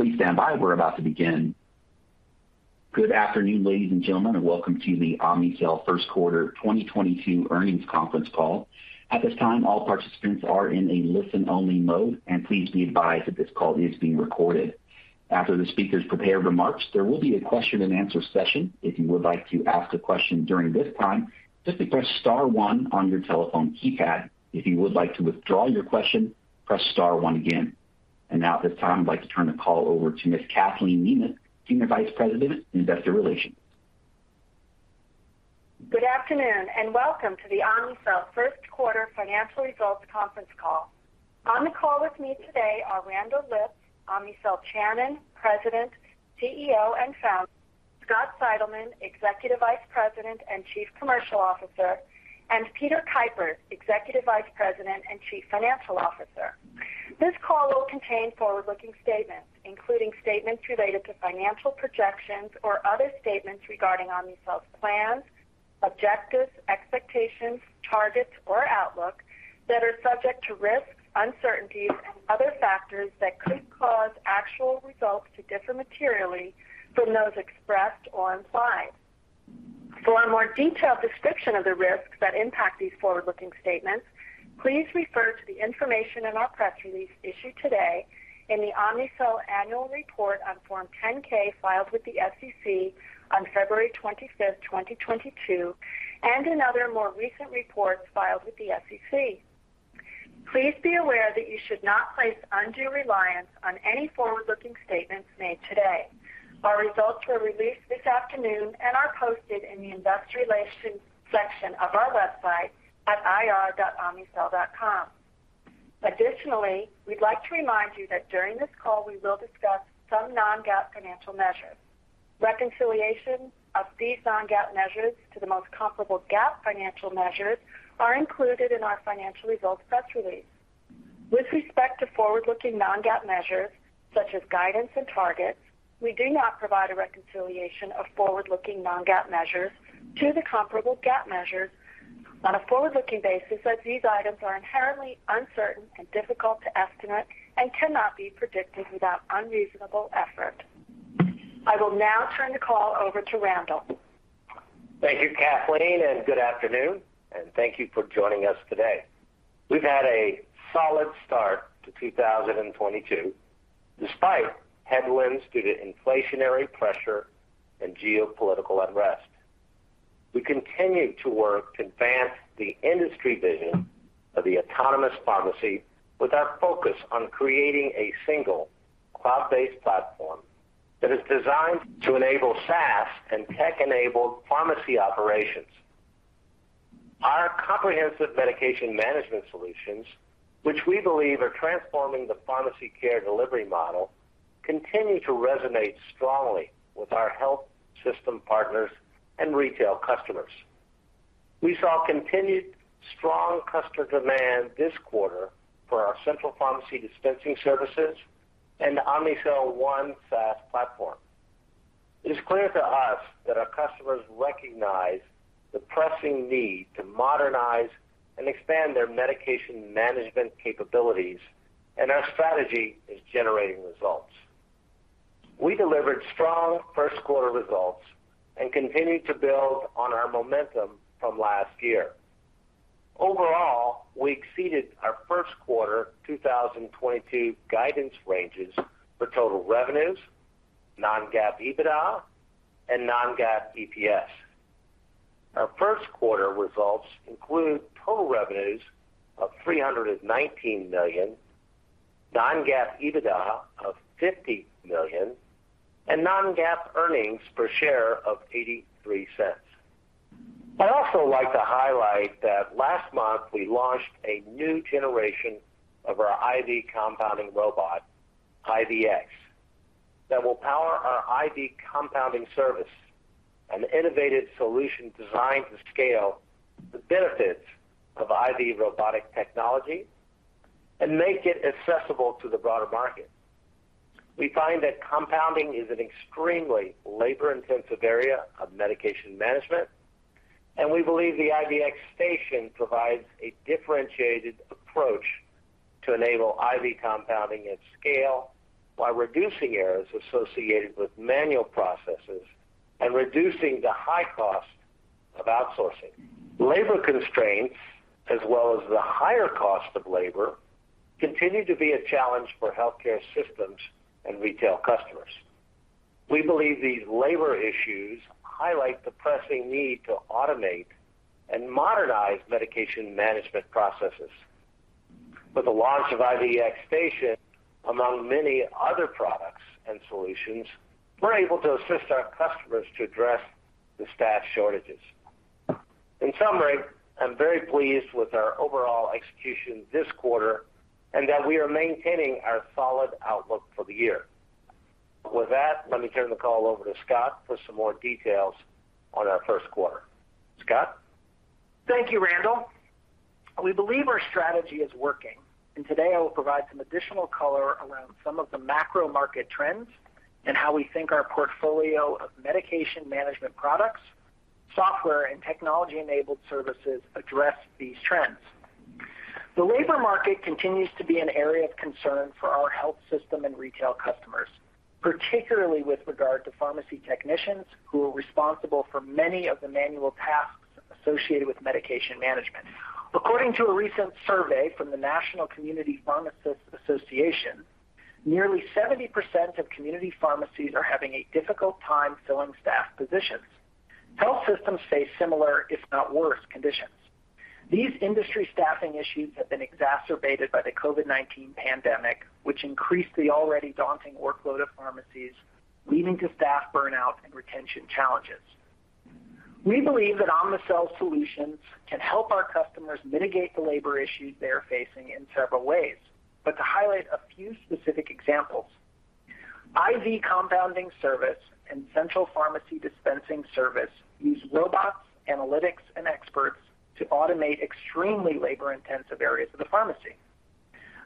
Please stand by. We're about to begin. Good afternoon, ladies and gentlemen, and welcome to the Omnicell First Quarter 2022 Earnings Conference Call. At this time, all participants are in a listen-only mode, and please be advised that this call is being recorded. After the speakers prepare remarks, there will be a question and answer session. If you would like to ask a question during this time, just press star one on your telephone keypad. If you would like to withdraw your question, press star one again. Now, at this time, I'd like to turn the call over to Ms. Kathleen Nemeth, Senior Vice President, Investor Relations. Good afternoon, and welcome to the Omnicell First Quarter Financial Results Conference Call. On the call with me today are Randall Lipps, Omnicell Chairman, President, CEO, and Founder, Scott Seidelmann, Executive Vice President and Chief Commercial Officer, and Peter Kuipers, Executive Vice President and Chief Financial Officer. This call will contain forward-looking statements, including statements related to financial projections or other statements regarding Omnicell's plans, objectives, expectations, targets, or outlook that are subject to risks, uncertainties, and other factors that could cause actual results to differ materially from those expressed or implied. For a more detailed description of the risks that impact these forward-looking statements, please refer to the information in our press release issued today in the Omnicell Annual Report on Form 10-K filed with the SEC on February 25, 2022, and in other more recent reports filed with the SEC. Please be aware that you should not place undue reliance on any forward-looking statements made today. Our results were released this afternoon and are posted in the investor relations section of our website at ir.omnicell.com. Additionally, we'd like to remind you that during this call, we will discuss some non-GAAP financial measures. Reconciliation of these non-GAAP measures to the most comparable GAAP financial measures are included in our financial results press release. With respect to forward-looking non-GAAP measures, such as guidance and targets, we do not provide a reconciliation of forward-looking non-GAAP measures to the comparable GAAP measures on a forward-looking basis, as these items are inherently uncertain and difficult to estimate and cannot be predicted without unreasonable effort. I will now turn the call over to Randall. Thank you, Kathleen, and good afternoon, and thank you for joining us today. We've had a solid start to 2022, despite headwinds due to inflationary pressure and geopolitical unrest. We continue to work to advance the industry vision of the Autonomous Pharmacy with our focus on creating a single cloud-based platform that is designed to enable SaaS and tech-enabled pharmacy operations. Our comprehensive medication management solutions, which we believe are transforming the pharmacy care delivery model, continue to resonate strongly with our health system partners and retail customers. We saw continued strong customer demand this quarter for our Central Pharmacy Dispensing Services and the Omnicell One SaaS platform. It is clear to us that our customers recognize the pressing need to modernize and expand their medication management capabilities, and our strategy is generating results. We delivered strong first quarter results and continued to build on our momentum from last year. Overall, we exceeded our first quarter 2022 guidance ranges for total revenues, non-GAAP EBITDA, and non-GAAP EPS. Our first quarter results include total revenues of $319 million, non-GAAP EBITDA of $50 million, and non-GAAP earnings per share of $0.83. I'd also like to highlight that last month we launched a new generation of our IV compounding robot, IVX, that will power our IV Compounding Service, an innovative solution designed to scale the benefits of IV robotic technology and make it accessible to the broader market. We find that compounding is an extremely labor-intensive area of medication management, and we believe the IVX Station provides a differentiated approach to enable IV compounding at scale while reducing errors associated with manual processes and reducing the high cost of outsourcing. Labor constraints, as well as the higher cost of labor, continue to be a challenge for healthcare systems and retail customers. We believe these labor issues highlight the pressing need to automate and modernize medication management processes. With the launch of IVX Station, among many other products and solutions, we're able to assist our customers to address the staff shortages. In summary, I'm very pleased with our overall execution this quarter and that we are maintaining our solid outlook for the year. With that, let me turn the call over to Scott for some more details on our first quarter. Scott? Thank you, Randall. We believe our strategy is working, and today I will provide some additional color around some of the macro market trends and how we think our portfolio of medication management products, software, and technology-enabled services address these trends. The labor market continues to be an area of concern for our health system and retail customers, particularly with regard to pharmacy technicians who are responsible for many of the manual tasks associated with medication management. According to a recent survey from the National Community Pharmacists Association, nearly 70% of community pharmacies are having a difficult time filling staff positions. Health systems face similar, if not worse, conditions. These industry staffing issues have been exacerbated by the COVID-19 pandemic, which increased the already daunting workload of pharmacies, leading to staff burnout and retention challenges. We believe that Omnicell solutions can help our customers mitigate the labor issues they are facing in several ways. To highlight a few specific examples, IV Compounding Service and Central Pharmacy Dispensing Service use robots, analytics and experts to automate extremely labor-intensive areas of the pharmacy.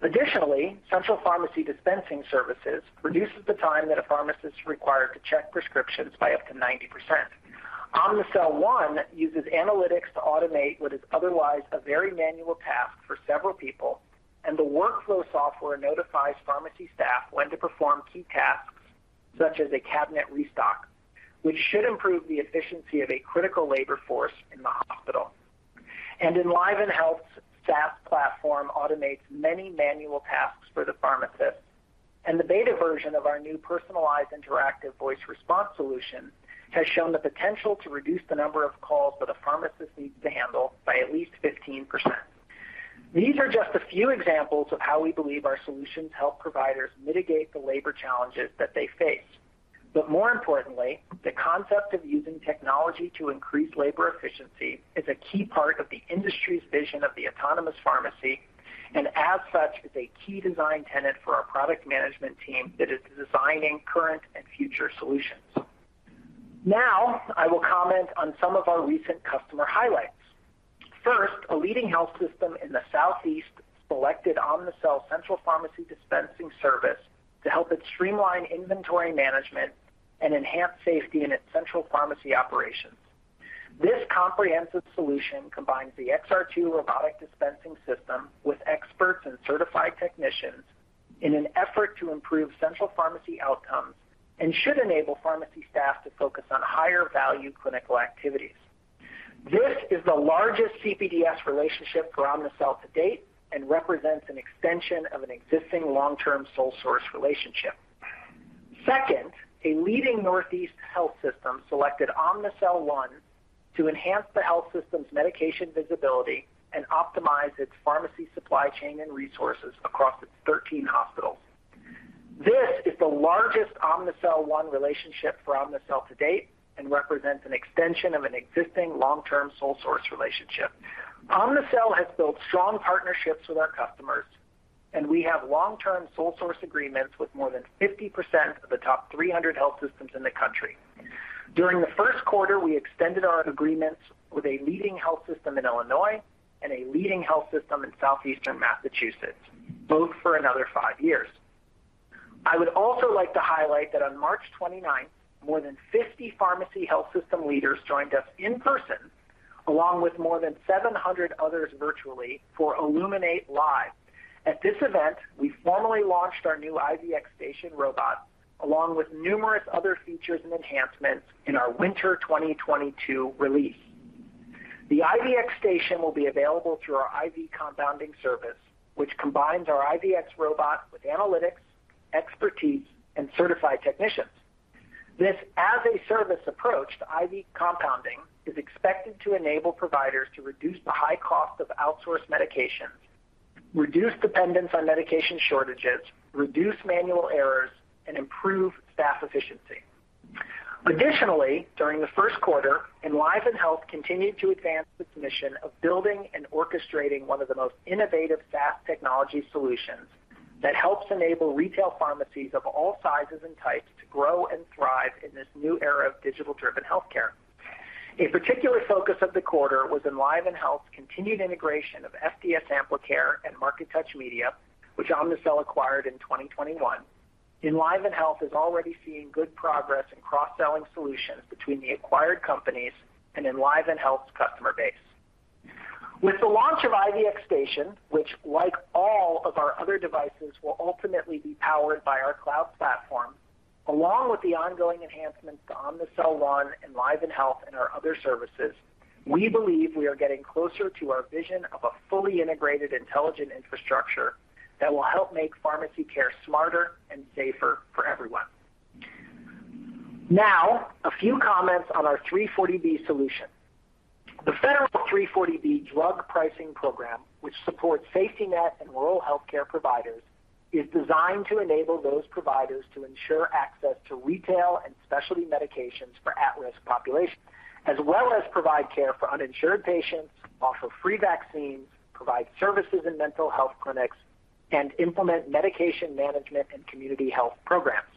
Additionally, Central Pharmacy Dispensing Service reduces the time that a pharmacist is required to check prescriptions by up to 90%. Omnicell One uses analytics to automate what is otherwise a very manual task for several people, and the workflow software notifies pharmacy staff when to perform key tasks such as a cabinet restock, which should improve the efficiency of a critical labor force in the hospital. EnlivenHealth's SaaS platform automates many manual tasks for the pharmacist. The beta version of our new personalized interactive voice response solution has shown the potential to reduce the number of calls that a pharmacist needs to handle by at least 15%. These are just a few examples of how we believe our solutions help providers mitigate the labor challenges that they face. More importantly, the concept of using technology to increase labor efficiency is a key part of the industry's vision of the autonomous pharmacy, and as such, is a key design tenet for our product management team that is designing current and future solutions. Now, I will comment on some of our recent customer highlights. First, a leading health system in the southeast selected Omnicell Central Pharmacy Dispensing Service to help it streamline inventory management and enhance safety in its central pharmacy operations. This comprehensive solution combines the XR2 robotic dispensing system with experts and certified technicians in an effort to improve central pharmacy outcomes and should enable pharmacy staff to focus on higher value clinical activities. This is the largest CPDS relationship for Omnicell to date and represents an extension of an existing long-term sole source relationship. Second, a leading Northeast health system selected Omnicell One to enhance the health system's medication visibility and optimize its pharmacy supply chain and resources across its 13 hospitals. This is the largest Omnicell One relationship for Omnicell to date and represents an extension of an existing long-term sole source relationship. Omnicell has built strong partnerships with our customers, and we have long-term sole source agreements with more than 50% of the top 300 health systems in the country. During the first quarter, we extended our agreements with a leading health system in Illinois and a leading health system in southeastern Massachusetts, both for another five years. I would also like to highlight that on March 29, more than 50 pharmacy health system leaders joined us in person, along with more than 700 others virtually for Illuminate LIVE. At this event, we formally launched our new IVX Station robot, along with numerous other features and enhancements in our winter 2022 release. The IVX Station will be available through our IV Compounding Service, which combines our IVX robot with analytics, expertise, and certified technicians. This as a service approach to IV compounding is expected to enable providers to reduce the high cost of outsourced medications, reduce dependence on medication shortages, reduce manual errors and improve staff efficiency. Additionally, during the first quarter, EnlivenHealth continued to advance its mission of building and orchestrating one of the most innovative SaaS technology solutions that helps enable retail pharmacies of all sizes and types to grow and thrive in this new era of digital-driven healthcare. A particular focus of the quarter was EnlivenHealth's continued integration of FDS Amplicare and MarkeTouch Media, which Omnicell acquired in 2021. EnlivenHealth is already seeing good progress in cross-selling solutions between the acquired companies and EnlivenHealth's customer base. With the launch of IVX Station, which like all of our other devices, will ultimately be powered by our cloud platform, along with the ongoing enhancements to Omnicell One, EnlivenHealth and our other services, we believe we are getting closer to our vision of a fully integrated, intelligent infrastructure that will help make pharmacy care smarter and safer for everyone. Now, a few comments on our 340B solution. The Federal 340B drug pricing program, which supports safety net and rural healthcare providers, is designed to enable those providers to ensure access to retail and specialty medications for at-risk populations, as well as provide care for uninsured patients, offer free vaccines, provide services in mental health clinics, and implement medication management and community health programs.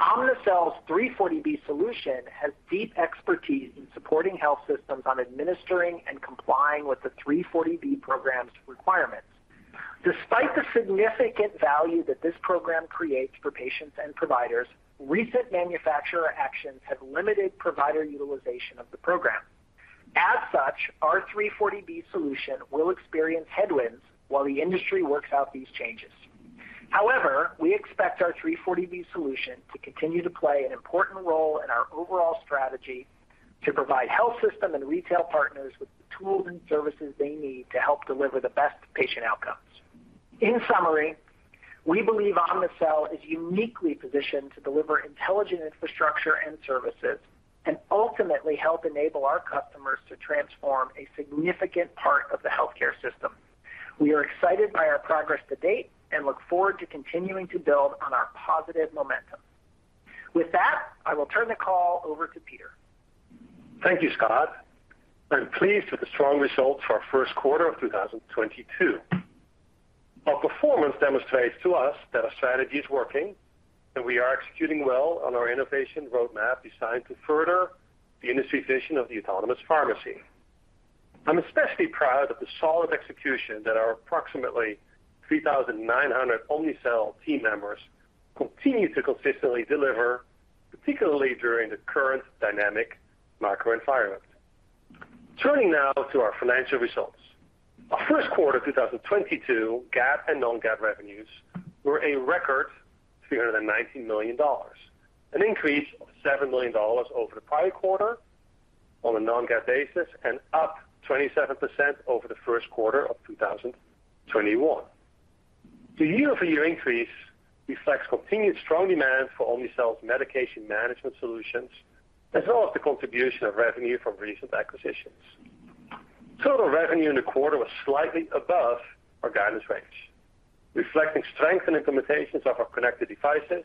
Omnicell's 340B solution has deep expertise in supporting health systems on administering and complying with the 340B program's requirements. Despite the significant value that this program creates for patients and providers, recent manufacturer actions have limited provider utilization of the program. As such, our 340B solution will experience headwinds while the industry works out these changes. However, we expect our 340B solution to continue to play an important role in our overall strategy to provide health system and retail partners with the tools and services they need to help deliver the best patient outcomes. In summary, we believe Omnicell is uniquely positioned to deliver intelligent infrastructure and services, and ultimately help enable our customers to transform a significant part of the healthcare system. We are excited by our progress to date and look forward to continuing to build on our positive momentum. With that, I will turn the call over to Peter. Thank you, Scott. I'm pleased with the strong results for our first quarter of 2022. Our performance demonstrates to us that our strategy is working, and we are executing well on our innovation roadmap designed to further the industry vision of the Autonomous Pharmacy. I'm especially proud of the solid execution that our approximately 3,900 Omnicell team members continue to consistently deliver, particularly during the current dynamic macro environment. Turning now to our financial results. Our first quarter 2022 GAAP and non-GAAP revenues were a record $390 million, an increase of $7 million over the prior quarter on a non-GAAP basis, and up 27% over the first quarter of 2021. The year-over-year increase reflects continued strong demand for Omnicell's medication management solutions, as well as the contribution of revenue from recent acquisitions. Total revenue in the quarter was slightly above our guidance range, reflecting strength and implementations of our connected devices,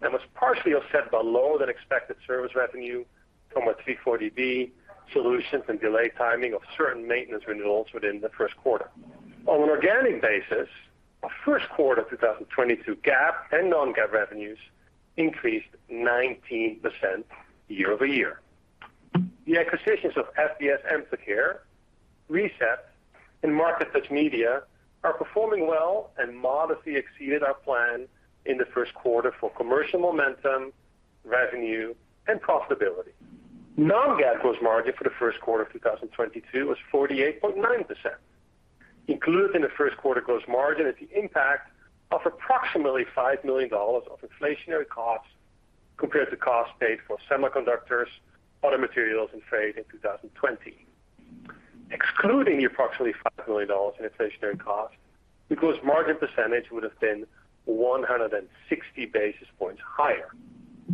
and was partially offset by lower than expected service revenue from our 340B solutions and delayed timing of certain maintenance renewals within the first quarter. On an organic basis, our first quarter of 2022 GAAP and non-GAAP revenues increased 19% year-over-year. The acquisitions of FDS Amplicare, ReCept, and MarkeTouch Media are performing well and modestly exceeded our plan in the first quarter for commercial momentum, revenue, and profitability. Non-GAAP gross margin for the first quarter of 2022 was 48.9%. Included in the first quarter gross margin is the impact of approximately $5 million of inflationary costs compared to costs paid for semiconductors, other materials, and freight in 2020. Excluding the approximately $5 million in inflationary costs, the gross margin percentage would have been 160 basis points higher.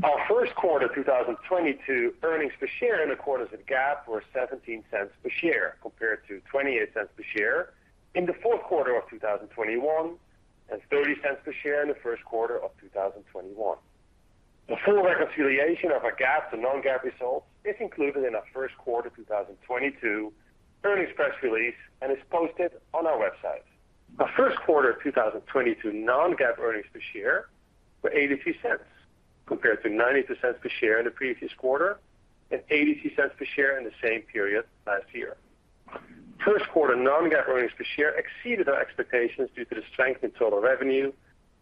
Our first quarter 2022 earnings per share in accordance with GAAP were $0.17 per share, compared to $0.28 per share in the fourth quarter of 2021, and $0.30 per share in the first quarter of 2021. The full reconciliation of our GAAP to non-GAAP results is included in our first quarter 2022 earnings press release and is posted on our website. Our first quarter 2022 non-GAAP earnings per share were $0.82, compared to $0.90 per share in the previous quarter, and $0.82 per share in the same period last year. First quarter non-GAAP earnings per share exceeded our expectations due to the strength in total revenue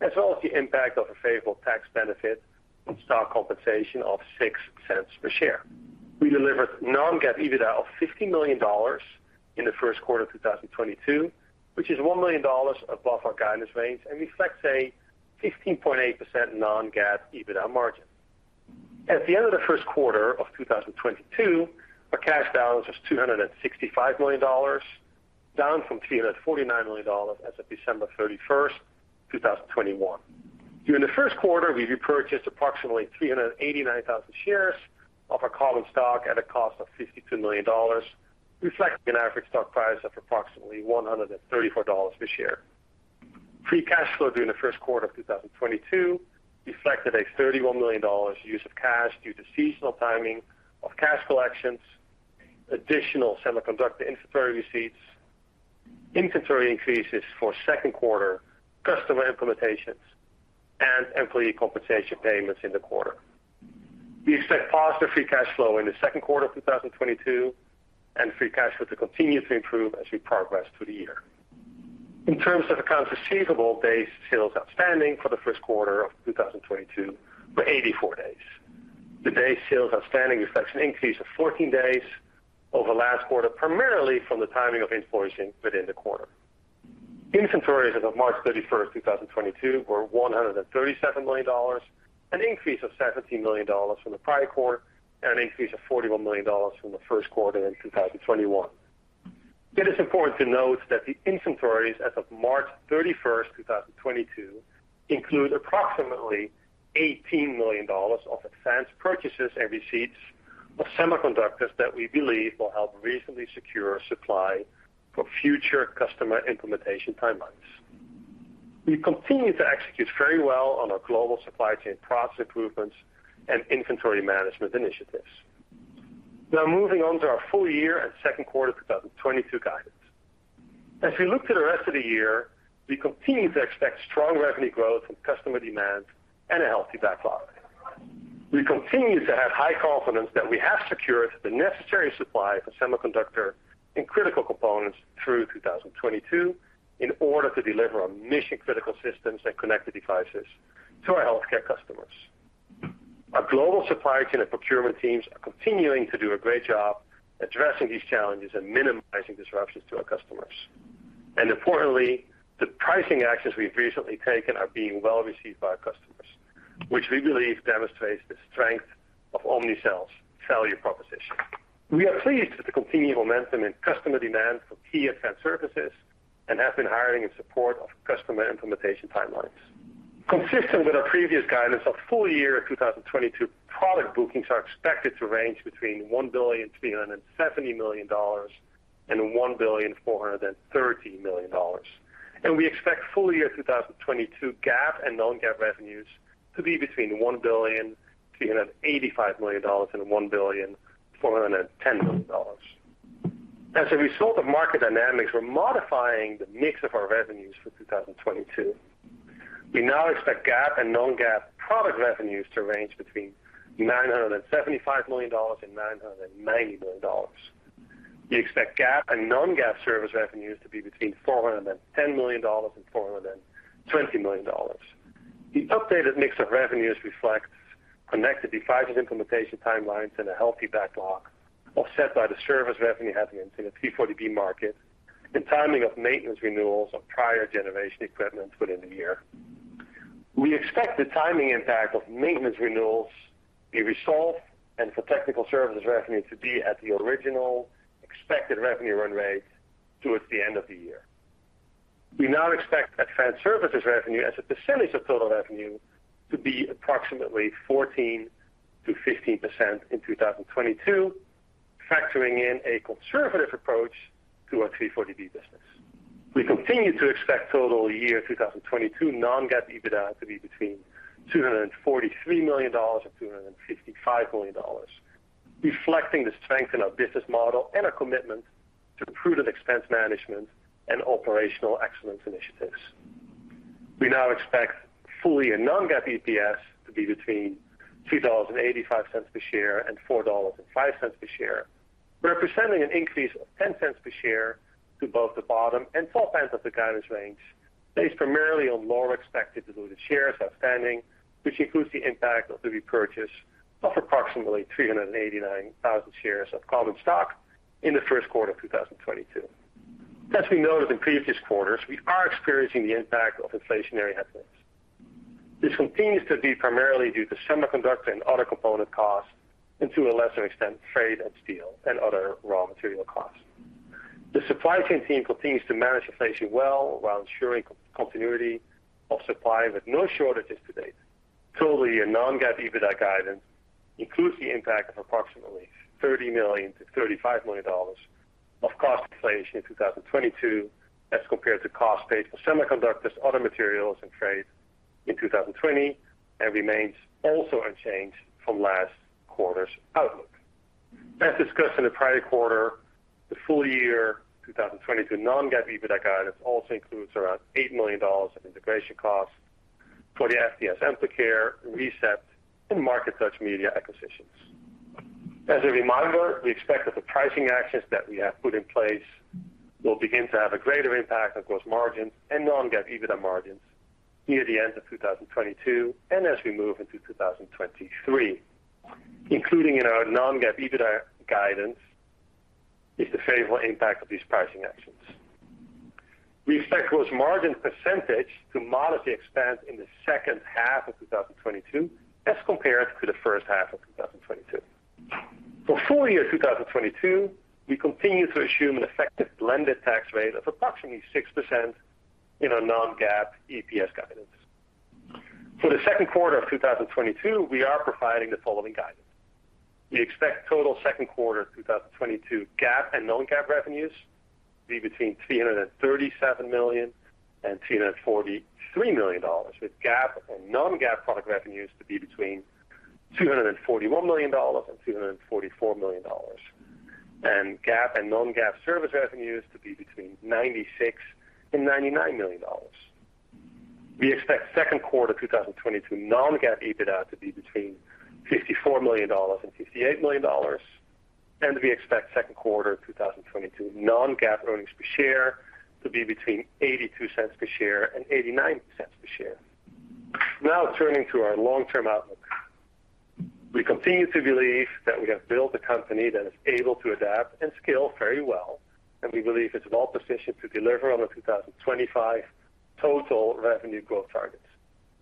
as well as the impact of a favorable tax benefit from stock compensation of $0.06 per share. We delivered non-GAAP EBITDA of $50 million in the first quarter of 2022, which is $1 million above our guidance range and reflects a 15.8% non-GAAP EBITDA margin. At the end of the first quarter of 2022, our cash balance was $265 million, down from $349 million as of December 31, 2021. During the first quarter, we repurchased approximately 389,000 shares of our common stock at a cost of $52 million, reflecting an average stock price of approximately $134 per share. Free cash flow during the first quarter of 2022 reflected a $31 million use of cash due to seasonal timing of cash collections, additional semiconductor inventory receipts, inventory increases for second quarter customer implementations, and employee compensation payments in the quarter. We expect positive free cash flow in the second quarter of 2022, and free cash flow to continue to improve as we progress through the year. In terms of accounts receivable, days sales outstanding for the first quarter of 2022 were 84 days. The days sales outstanding reflects an increase of 14 days over last quarter, primarily from the timing of invoicing within the quarter. Inventories as of March 31, 2022 were $137 million, an increase of $17 million from the prior quarter, and an increase of $41 million from the first quarter in 2021. It is important to note that the inventories as of March 31, 2022 include approximately $18 million of advanced purchases and receipts of semiconductors that we believe will help reasonably secure supply for future customer implementation timelines. We continue to execute very well on our global supply chain process improvements and inventory management initiatives. Now moving on to our full year and second quarter 2022 guidance. As we look to the rest of the year, we continue to expect strong revenue growth from customer demand and a healthy backlog. We continue to have high confidence that we have secured the necessary supply for semiconductor and critical components through 2022 in order to deliver on mission-critical systems and connected devices to our healthcare customers. Our global supply chain and procurement teams are continuing to do a great job addressing these challenges and minimizing disruptions to our customers. Importantly, the pricing actions we've recently taken are being well received by our customers, which we believe demonstrates the strength of Omnicell's value proposition. We are pleased with the continued momentum in customer demand for key advanced services, and have been hiring in support of customer implementation timelines. Consistent with our previous guidance of full year 2022 product bookings are expected to range between $1.37 billion and $1.43 billion. We expect full year 2022 GAAP and non-GAAP revenues to be between $1.385 billion and $1.41 billion. As a result of market dynamics, we're modifying the mix of our revenues for 2022. We now expect GAAP and non-GAAP product revenues to range between $975 million and $990 million. We expect GAAP and non-GAAP service revenues to be between $410 million and $420 million. The updated mix of revenues reflects connected devices implementation timelines and a healthy backlog, offset by the service revenue headwinds in the 340B market, and timing of maintenance renewals of prior generation equipment within the year. We expect the timing impact of maintenance renewals be resolved, and for technical services revenue to be at the original expected revenue run rate towards the end of the year. We now expect advanced services revenue as a percentage of total revenue to be approximately 14%-15% in 2022, factoring in a conservative approach to our 340B business. We continue to expect total year 2022 non-GAAP EBITDA to be between $243 million and $255 million, reflecting the strength in our business model and our commitment to prudent expense management and operational excellence initiatives. We now expect full-year non-GAAP EPS to be between $2.85 per share and $4.05 per share, representing an increase of $0.10 per share to both the bottom and $0.04 to the top of the guidance range based primarily on lower expected diluted shares outstanding, which includes the impact of the repurchase of approximately 389,000 shares of common stock in the first quarter of 2022. As we noted in previous quarters, we are experiencing the impact of inflationary headwinds. This continues to be primarily due to semiconductor and other component costs, and to a lesser extent, freight and steel and other raw material costs. The supply chain team continues to manage inflation well while ensuring continuity of supply with no shortages to date. Totally, our non-GAAP EBITDA guidance includes the impact of approximately $30 million-$35 million of cost inflation in 2022 as compared to costs paid for semiconductors, other materials, and trade in 2020, and remains also unchanged from last quarter's outlook. As discussed in the prior quarter, the full year 2022 non-GAAP EBITDA guidance also includes around $8 million of integration costs for the FDS Amplicare, ReCept, and MarkeTouch Media acquisitions. As a reminder, we expect that the pricing actions that we have put in place will begin to have a greater impact on gross margins and non-GAAP EBITDA margins near the end of 2022, and as we move into 2023. Including in our non-GAAP EBITDA guidance is the favorable impact of these pricing actions. We expect gross margin percentage to modestly expand in the second half of 2022 as compared to the first half of 2022. For full year 2022, we continue to assume an effective blended tax rate of approximately 6% in our non-GAAP EPS guidance. For the second quarter of 2022, we are providing the following guidance. We expect total second quarter 2022 GAAP and non-GAAP revenues to be between $337 million and $343 million, with GAAP and non-GAAP product revenues to be between $241 million and $244 million, and GAAP and non-GAAP service revenues to be between $96 million and $99 million. We expect second quarter 2022 non-GAAP EBITDA to be between $54 million and $58 million. We expect second quarter 2022 non-GAAP earnings per share to be between $0.82 per share and $0.89 per share. Now turning to our long-term outlook. We continue to believe that we have built a company that is able to adapt and scale very well, and we believe it's well-positioned to deliver on the 2025 total revenue growth targets,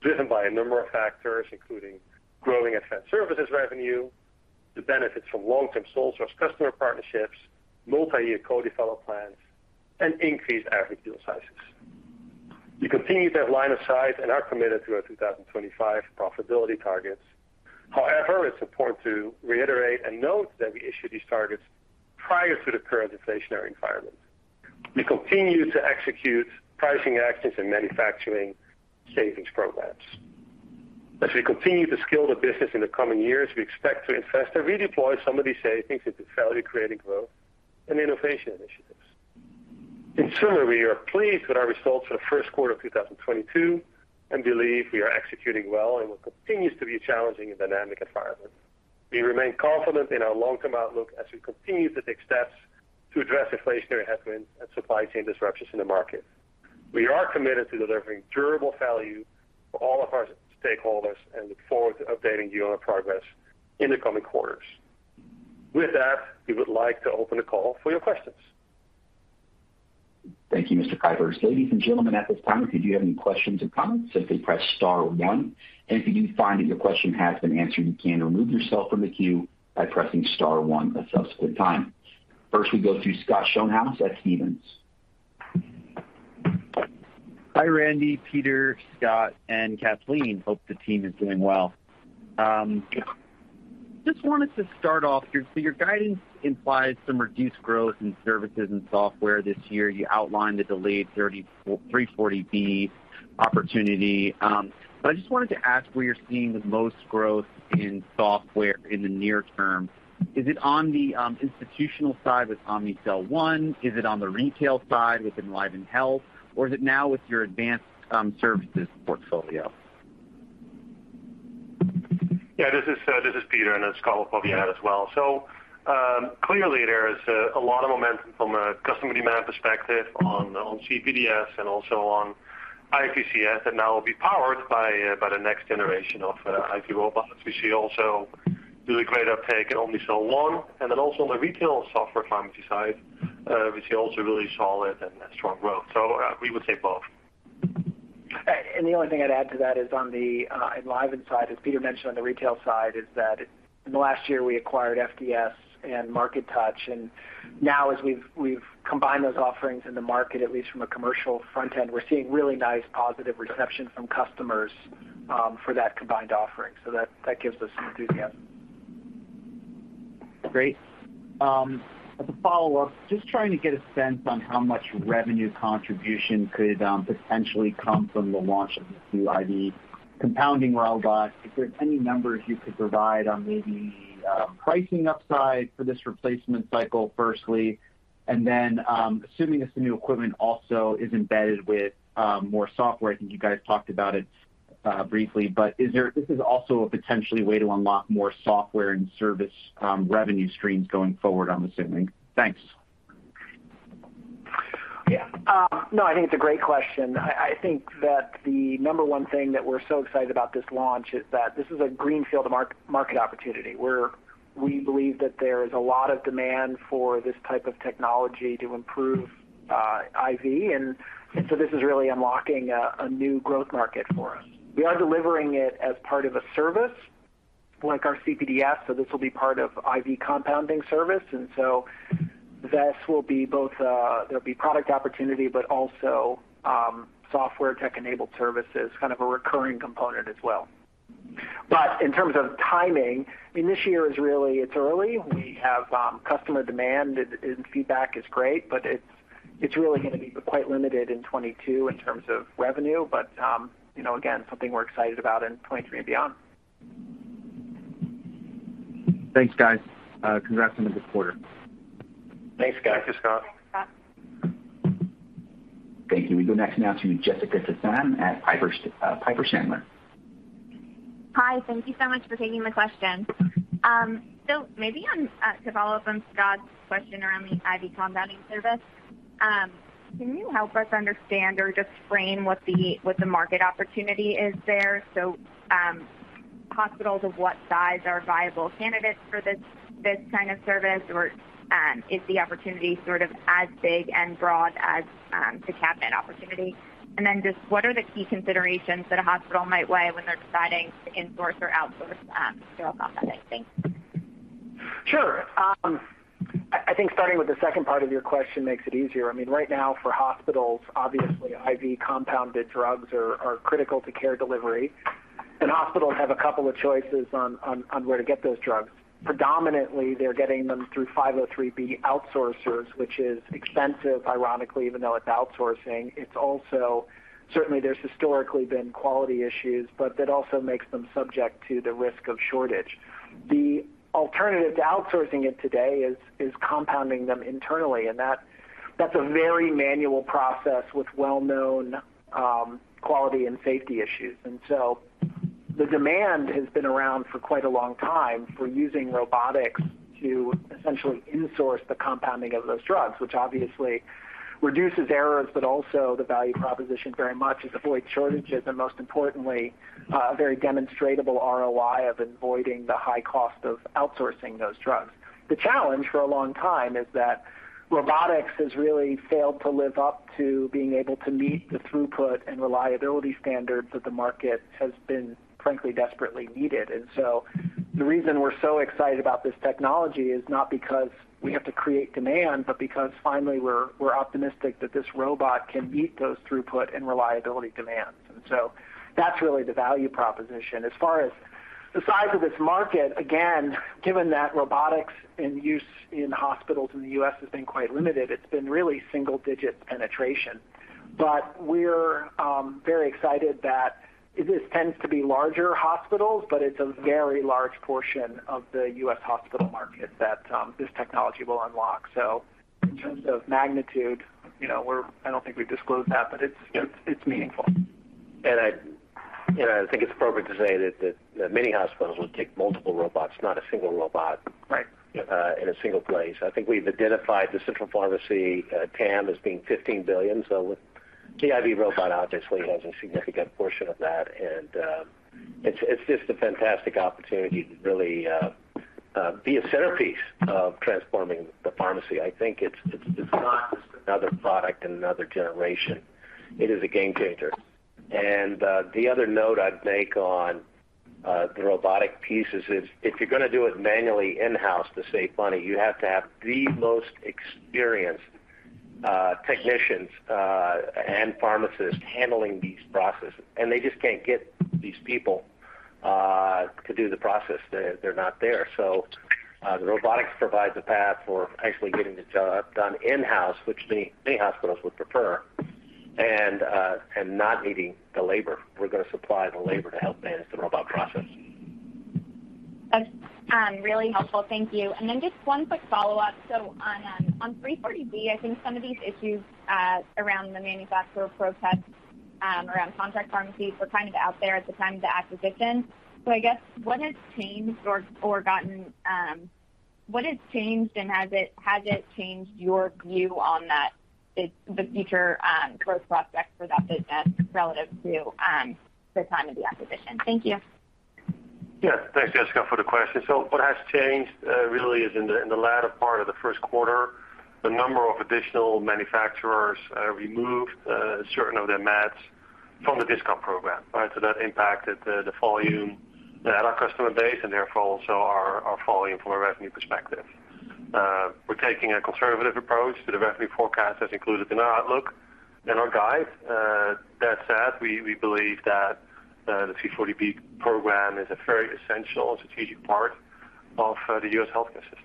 driven by a number of factors, including growing advanced services revenue, the benefits from long-term sole source customer partnerships, multi-year co-develop plans, and increased average deal sizes. We continue to have line of sight and are committed to our 2025 profitability targets. However, it's important to reiterate and note that we issued these targets prior to the current inflationary environment. We continue to execute pricing actions and manufacturing savings programs. As we continue to scale the business in the coming years, we expect to invest and redeploy some of these savings into value-creating growth and innovation initiatives. In summary, we are pleased with our results for the first quarter of 2022 and believe we are executing well in what continues to be a challenging and dynamic environment. We remain confident in our long-term outlook as we continue to take steps to address inflationary headwinds and supply chain disruptions in the market. We are committed to delivering durable value for all of our stakeholders and look forward to updating you on our progress in the coming quarters. With that, we would like to open the call for your questions. Thank you, Mr. Kuipers. Ladies and gentlemen, at this time, if you have any questions or comments, simply press star one. If you do find that your question has been answered, you can remove yourself from the queue by pressing star one a subsequent time. First, we go to Scott Schoenhaus at Stephens. Hi, Randy, Peter, Scott, and Kathleen. Hope the team is doing well. Just wanted to start off so your guidance implies some reduced growth in services and software this year. You outlined the delayed 340B opportunity. I just wanted to ask where you're seeing the most growth in software in the near term. Is it on the institutional side with Omnicell One? Is it on the retail side with EnlivenHealth? Or is it now with your advanced services portfolio? Yeah, this is Peter, and then Scott will probably add as well. Clearly there is a lot of momentum from a customer demand perspective on CPDS and also on IVCS, and that will be powered by the next generation of IV robots. We see also really great uptake in Omnicell One, and then also on the retail software pharmacy side, we see also really solid and strong growth. We would say both. The only thing I'd add to that is on the Enliven side, as Peter mentioned on the retail side, is that in the last year we acquired FDS and MarkeTouch. Now as we've combined those offerings in the market, at least from a commercial front end, we're seeing really nice positive reception from customers for that combined offering. That gives us some enthusiasm. Great. As a follow-up, just trying to get a sense on how much revenue contribution could potentially come from the launch of the new IV compounding robot. If there's any numbers you could provide on maybe pricing upside for this replacement cycle, firstly. Assuming this new equipment also is embedded with more software, I think you guys talked about it briefly, but this is also a potential way to unlock more software and service revenue streams going forward, I'm assuming. Thanks. Yeah. No, I think it's a great question. I think that the number one thing that we're so excited about this launch is that this is a greenfield market opportunity, where we believe that there is a lot of demand for this type of technology to improve IV. This is really unlocking a new growth market for us. We are delivering it as part of a service, like our CPDS, so this will be part of IV Compounding Service. This will be both, there'll be product opportunity, but also, software tech-enabled services, kind of a recurring component as well. In terms of timing, I mean, this year is really, it's early. We have customer demand and feedback is great, but it's really going to be quite limited in 2022 in terms of revenue. You know, again, something we're excited about in 2023 and beyond. Thanks, guys. Congrats on the good quarter. Thanks, Scott. Thank you, Scott. Thanks, Scott. Thank you. We go next now to Jessica Tassan at Piper Sandler. Hi. Thank you so much for taking the question. Maybe to follow up on Scott's question around the IV Compounding Service, can you help us understand or just frame what the market opportunity is there? Hospitals of what size are viable candidates for this kind of service? Is the opportunity sort of as big and broad as the cabinet opportunity? Just what are the key considerations that a hospital might weigh when they're deciding to in-source or outsource sterile compounding? Thanks. Sure. I think starting with the second part of your question makes it easier. I mean, right now for hospitals, obviously IV compounded drugs are critical to care delivery, and hospitals have a couple of choices on where to get those drugs. Predominantly, they're getting them through 503B outsourcers, which is expensive, ironically, even though it's outsourcing. It's also certainly there's historically been quality issues, but that also makes them subject to the risk of shortage. The alternative to outsourcing it today is compounding them internally, and that's a very manual process with well-known quality and safety issues. The demand has been around for quite a long time for using robotics to essentially in-source the compounding of those drugs, which obviously reduces errors, but also the value proposition very much is avoid shortages and most importantly, a very demonstratable ROI of avoiding the high cost of outsourcing those drugs. The challenge for a long time is that robotics has really failed to live up to being able to meet the throughput and reliability standards that the market has been frankly desperately needed. The reason we're so excited about this technology is not because we have to create demand, but because finally we're optimistic that this robot can meet those throughput and reliability demands. That's really the value proposition. As far as the size of this market, again, given that robotics in use in hospitals in the U.S. has been quite limited, it's been really single-digit penetration. We're very excited that this tends to be larger hospitals, but it's a very large portion of the U.S. hospital market that this technology will unlock. In terms of magnitude, you know, we're, I don't think we've disclosed that, but it's meaningful. I think it's appropriate to say that many hospitals would take multiple robots, not a single robot. Right in a single place. I think we've identified the central pharmacy TAM as being $15 billion. With PIV robot obviously has a significant portion of that. It's not just another product and another generation. It is a game changer. The other note I'd make on the robotic pieces is, if you're gonna do it manually in-house to save money, you have to have the most experienced technicians and pharmacists handling these processes, and they just can't get these people to do the process. They're not there. The robotics provides a path for actually getting the job done in-house, which the hospitals would prefer, and not needing the labor. We're gonna supply the labor to help manage the robot process. That's really helpful. Thank you. Then just one quick follow-up. On 340B, I think some of these issues around the manufacturer protests around contract pharmacies were kind of out there at the time of the acquisition. I guess what has changed, and has it changed your view on that, the future growth prospects for that business relative to the time of the acquisition? Thank you. Yeah. Thanks, Jessica, for the question. What has changed really is in the latter part of the first quarter, the number of additional manufacturers removed certain of their meds from the discount program, right? That impacted the volume at our customer base and therefore also our volume from a revenue perspective. We're taking a conservative approach to the revenue forecast that's included in our outlook and our guide. That said, we believe that the 340B program is a very essential and strategic part of the U.S. healthcare system.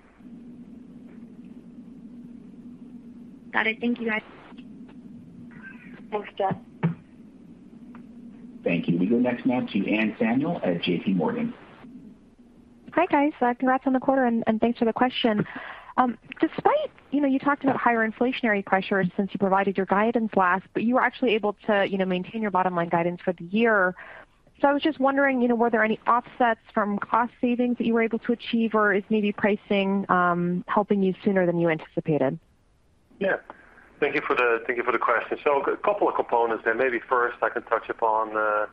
Got it. Thank you, guys. Thanks, Jess. Thank you. We go next now to Anne Samuel at JPMorgan organ. Hi, guys. Congrats on the quarter and thanks for the question. Despite, you know, you talked about higher inflationary pressures since you provided your guidance last, but you were actually able to, you know, maintain your bottom-line guidance for the year. I was just wondering, you know, were there any offsets from cost savings that you were able to achieve, or is maybe pricing helping you sooner than you anticipated? Yeah. Thank you for the question. A couple of components there. Maybe first I can touch upon the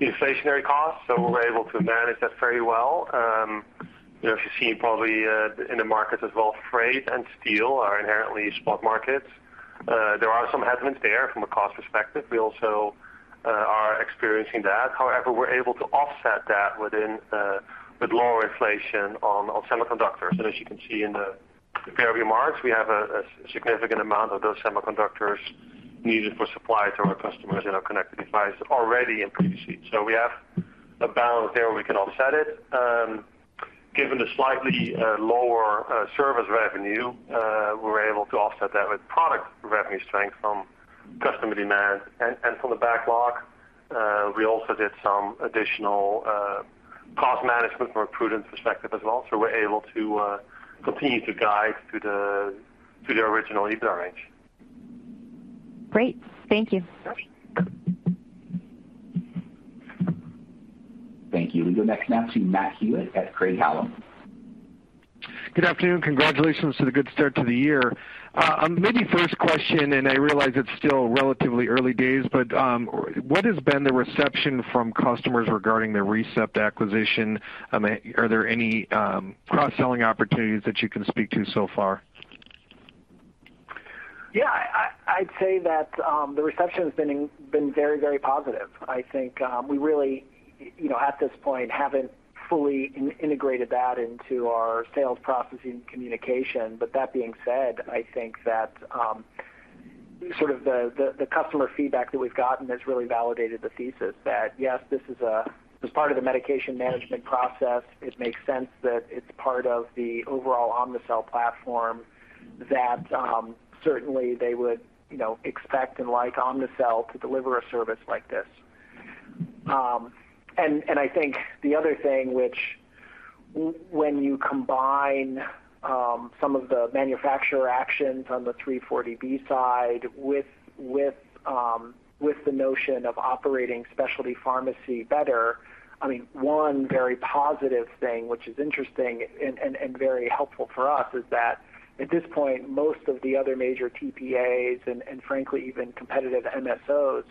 inflationary costs. We're able to manage that very well. You know, as you see probably in the markets as well, freight and steel are inherently spot markets. There are some headwinds there from a cost perspective. We also are experiencing that. However, we're able to offset that within with lower inflation on semiconductors. As you can see in the prepared remarks, we have a significant amount of those semiconductors needed for supply to our customers in our connected device already in pre-seized. We have a balance there, we can offset it. Given the slightly lower service revenue, we're able to offset that with product revenue strength from customer demand. From the backlog, we also did some additional cost management from a prudence perspective as well. We're able to continue to guide to the original EBITDA range. Great. Thank you. Sure. Thank you. We go next now to Matthew at Craig-Hallum. Good afternoon. Congratulations to the good start to the year. Maybe first question, I realize it's still relatively early days, but, what has been the reception from customers regarding the ReCept acquisition? I mean, are there any, cross-selling opportunities that you can speak to so far? Yeah. I'd say that the reception has been very, very positive. I think we really, you know, at this point, haven't fully integrated that into our sales process and communication. That being said, I think that sort of the customer feedback that we've gotten has really validated the thesis that, yes, this is a, as part of the medication management process, it makes sense that it's part of the overall Omnicell platform that certainly they would, you know, expect and like Omnicell to deliver a service like this. I think the other thing which when you combine some of the manufacturer actions on the 340B side with the notion of operating specialty pharmacy better, I mean, one very positive thing, which is interesting and very helpful for us, is that at this point, most of the other major TPAs and frankly, even competitive MSOs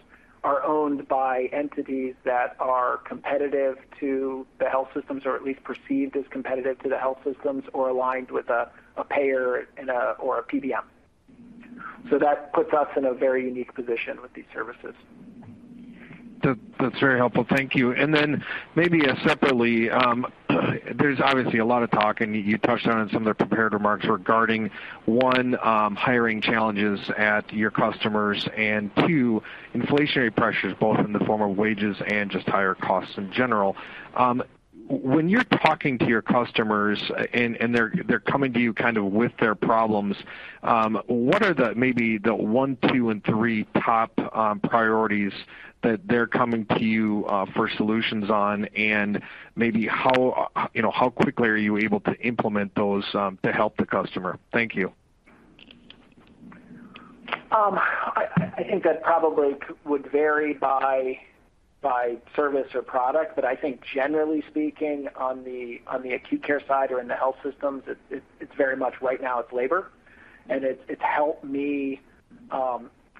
are owned by entities that are competitive to the health systems or at least perceived as competitive to the health systems or aligned with a payer and/or a PBM. That puts us in a very unique position with these services. That's very helpful. Thank you. Maybe separately, there's obviously a lot of talk, and you touched on it in some of the prepared remarks regarding, one, hiring challenges at your customers, and two, inflationary pressures, both in the form of wages and just higher costs in general. When you're talking to your customers and they're coming to you kind of with their problems, what are maybe the one, two and three top priorities that they're coming to you for solutions on? Maybe how you know how quickly are you able to implement those to help the customer? Thank you. I think that probably would vary by service or product, but I think generally speaking, on the acute care side or in the health systems, it's very much right now it's labor. It's helped me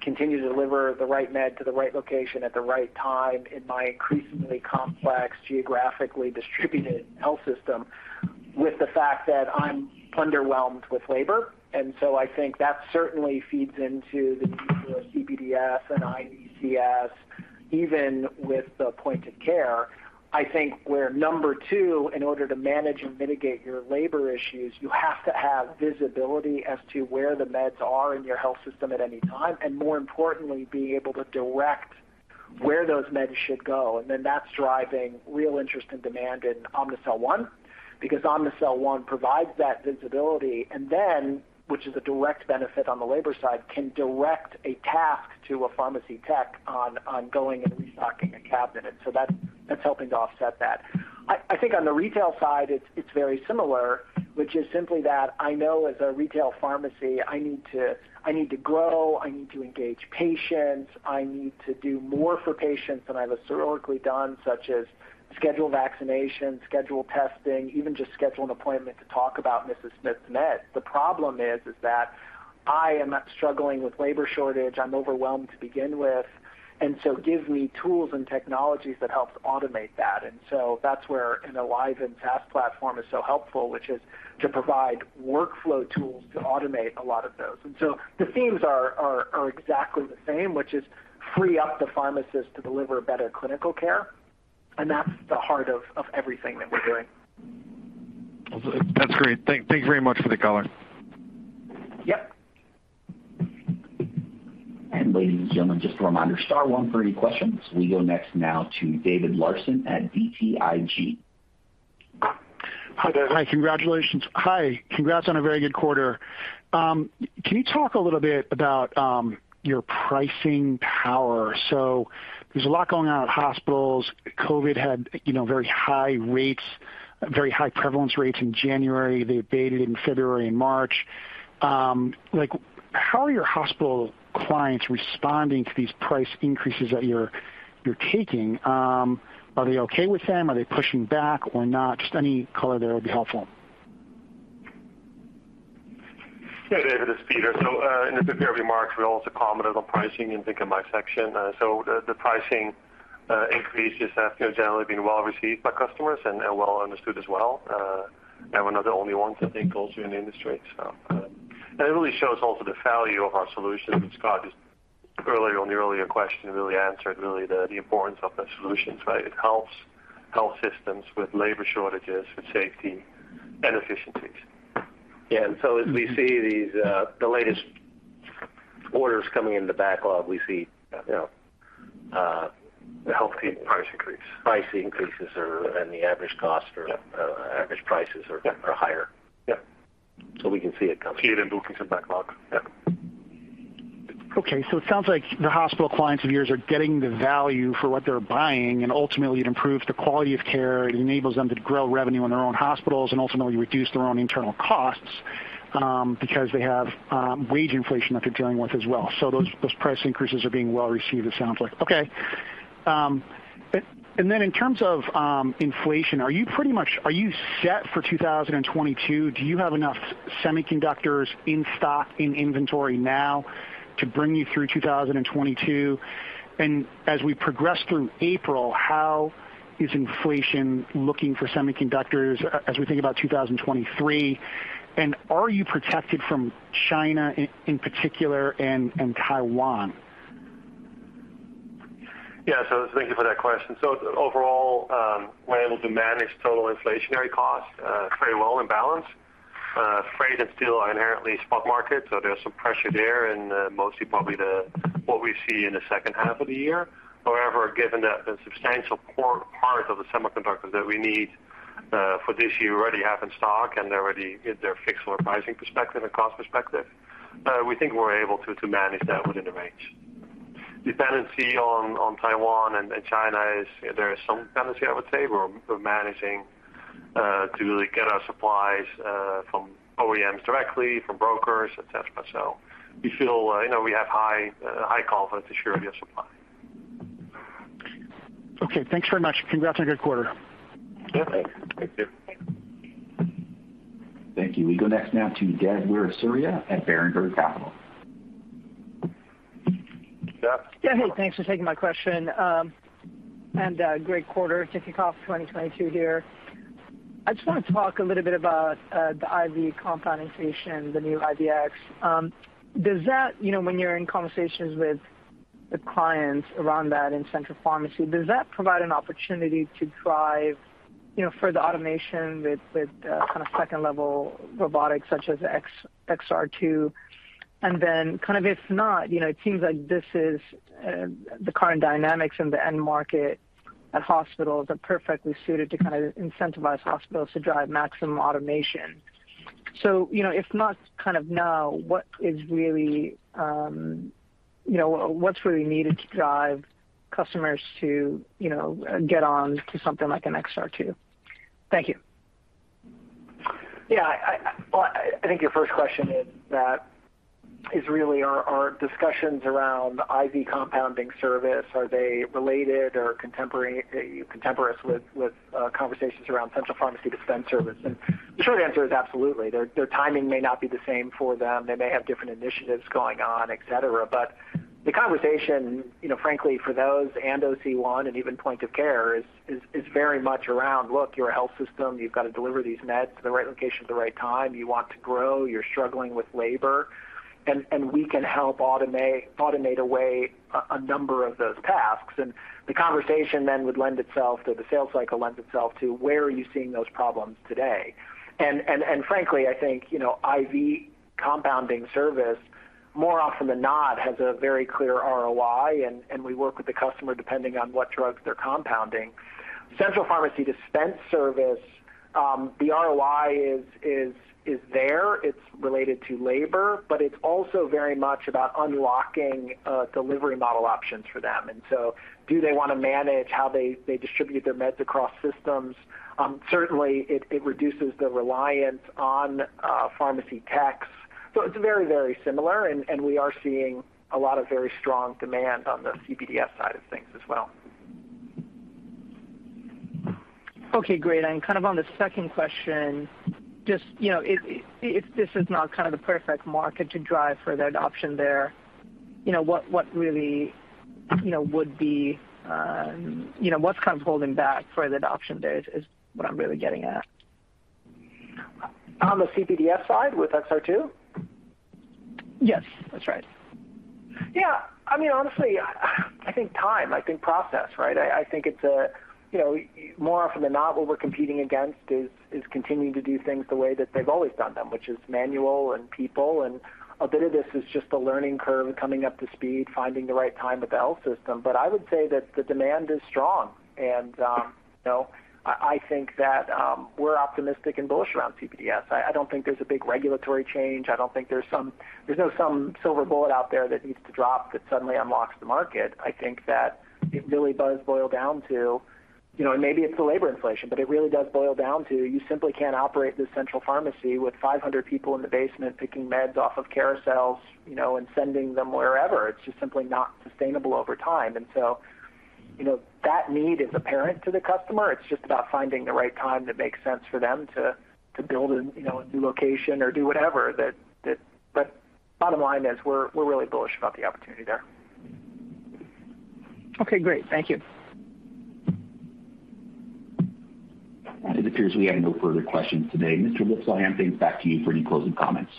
continue to deliver the right med to the right location at the right time in my increasingly complex, geographically distributed health system with the fact that I'm underwhelmed with labor. I think that certainly feeds into the use of CPDS and IVCS, even with the point of care. I think number two in order to manage and mitigate your labor issues, you have to have visibility as to where the meds are in your health system at any time, and more importantly, being able to direct where those meds should go. That's driving real interest and demand in Omnicell One, because Omnicell One provides that visibility. Which is a direct benefit on the labor side, can direct a task to a pharmacy tech on going and restocking a cabinet. That's helping to offset that. I think on the retail side, it's very similar, which is simply that I know as a retail pharmacy, I need to grow, I need to engage patients, I need to do more for patients than I've historically done, such as schedule vaccinations, schedule testing, even just schedule an appointment to talk about Mrs. Smith's meds. The problem is that I am struggling with labor shortage, I'm overwhelmed to begin with, and so give me tools and technologies that helps automate that. That's where the EnlivenHealth platform is so helpful, which is to provide workflow tools to automate a lot of those. The themes are exactly the same, which is free up the pharmacist to deliver better clinical care. That's the heart of everything that we're doing. That's great. Thank you very much for the color. Yep. Ladies and gentlemen, just a reminder, star one for any questions. We go next now to David Larsen at BTIG. Hi, there. Hi. Congratulations. Hi. Congrats on a very good quarter. Can you talk a little bit about your pricing power? There's a lot going on at hospitals. COVID had very high rates, very high prevalence rates in January. They abated in February and March. How are your hospital clients responding to these price increases that you're taking? Are they okay with them? Are they pushing back or not? Just any color there would be helpful. Yeah, David Larsen, it's Peter Kuipers. In the prepared remarks, we also commented on pricing and think of my section. The pricing increases have, you know, generally been well received by customers and well understood as well. We're not the only ones, I think, also in the industry. It really shows also the value of our solutions, which Scott Seidelmann just earlier, on the earlier question, really answered the importance of the solutions, right? It helps health systems with labor shortages, with safety and efficiencies. Yeah. As we see these, the latest orders coming in the backlog, we see, you know. The health team price increase.... pricing increases are, and the average cost or- Yeah average prices are. Yeah are higher. Yeah. We can see it coming. See it in bookings and backlogs. Yeah. Okay. It sounds like the hospital clients of yours are getting the value for what they're buying, and ultimately it improves the quality of care, it enables them to grow revenue in their own hospitals and ultimately reduce their own internal costs, because they have wage inflation that they're dealing with as well. Those price increases are being well received, it sounds like. Okay. In terms of inflation, are you set for 2022? Do you have enough semiconductors in stock, in inventory now to bring you through 2022? As we progress through April, how is inflation looking for semiconductors as we think about 2023? Are you protected from China in particular and Taiwan? Yeah. Thank you for that question. Overall, we're able to manage total inflationary costs pretty well in balance. Freight and steel are inherently spot markets, so there's some pressure there and mostly probably what we see in the second half of the year. However, given that the substantial part of the semiconductors that we need for this year already have in stock and they already get their fixed lower pricing perspective and cost perspective, we think we're able to manage that within the range. Dependency on Taiwan and China there is some dependency, I would say. We're managing to really get our supplies from OEMs directly, from brokers, et cetera. We feel, you know, we have high confidence to surety of supply. Okay, thanks very much. Congrats on a good quarter. Yeah. Thank you. Thank you. We go next now to [inaudible] [Baird]. Dan? Yeah. Hey, thanks for taking my question. Great quarter, kicking off 2022 here. I just want to talk a little bit about the IV compounding station, the new IVX Station. Does that, you know, when you're in conversations with the clients around that in central pharmacy, provide an opportunity to drive, you know, further automation with kind of second level robotics such as XR2? Kind of if not, you know, it seems like this is the current dynamics in the end market at hospitals are perfectly suited to kind of incentivize hospitals to drive maximum automation. You know, if not kind of now, what is really, you know, what's really needed to drive customers to, you know, get on to something like an XR2? Thank you. Well, I think your first question is are discussions around IV Compounding Service, are they related or contemporaneous with conversations around Central Pharmacy Dispensing Service? The short answer is absolutely. Their timing may not be the same for them. They may have different initiatives going on, et cetera. The conversation, you know, frankly for those and Omnicell One and even point of care is very much around, look, you're a health system, you've got to deliver these meds to the right location at the right time. You want to grow, you're struggling with labor, and we can help automate away a number of those tasks. The conversation then would lend itself to, the sales cycle lends itself to where are you seeing those problems today? Frankly, I think, you know, IV Compounding Service more often than not has a very clear ROI and we work with the customer depending on what drugs they're compounding. Central Pharmacy Dispensing Service, the ROI is there, it's related to labor, but it's also very much about unlocking delivery model options for them. Do they want to manage how they distribute their meds across systems? Certainly it reduces the reliance on pharmacy techs. It's very similar and we are seeing a lot of very strong demand on the CPDS side of things as well. Okay, great. Kind of on the second question, just, you know, if this is not kind of the perfect market to drive further adoption there, you know, what really, you know, would be, you know, what's kind of holding back further adoption there is what I'm really getting at. On the CPDS side with XR2? Yes, that's right. Yeah. I mean, honestly, I think time, process, right? I think it's, you know, more often than not, what we're competing against is continuing to do things the way that they've always done them, which is manual and people. A bit of this is just the learning curve, coming up to speed, finding the right time with the health system. I would say that the demand is strong and, you know, I think that we're optimistic and bullish around CPDS. I don't think there's a big regulatory change. There's no silver bullet out there that needs to drop that suddenly unlocks the market. I think that it really does boil down to, you know, and maybe it's the labor inflation, but it really does boil down to, you simply can't operate this central pharmacy with 500 people in the basement picking meds off of carousels, you know, and sending them wherever. It's just simply not sustainable over time. You know, that need is apparent to the customer. It's just about finding the right time that makes sense for them to build a, you know, a new location or do whatever. Bottom line is we're really bullish about the opportunity there. Okay, great. Thank you. It appears we have no further questions today. Mr. Lipps, I hand things back to you for any closing comments.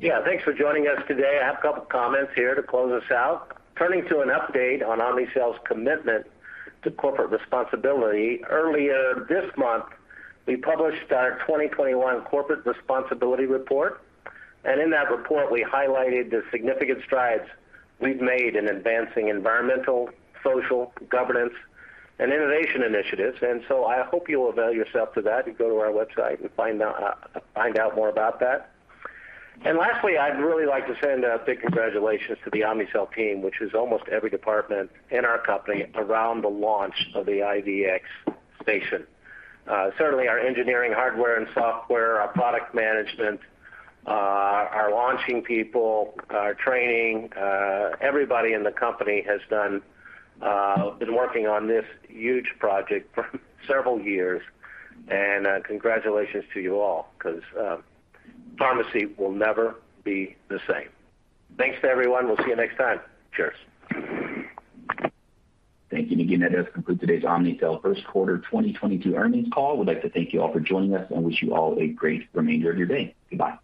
Yeah, thanks for joining us today. I have a couple comments here to close us out. Turning to an update on Omnicell's commitment to corporate responsibility. Earlier this month, we published our 2021 corporate responsibility report, and in that report, we highlighted the significant strides we've made in advancing environmental, social, governance, and innovation initiatives. I hope you will avail yourself to that and go to our website and find out more about that. Lastly, I'd really like to send a big congratulations to the Omnicell team, which is almost every department in our company around the launch of the IVX Station. Certainly our engineering hardware and software, our product management, our launching people, our training, everybody in the company has done been working on this huge project for several years. Congratulations to you all, 'cause pharmacy will never be the same. Thanks to everyone. We'll see you next time. Cheers. Thank you. Again, that does conclude today's Omnicell first quarter 2022 earnings call. We'd like to thank you all for joining us and wish you all a great remainder of your day. Goodbye.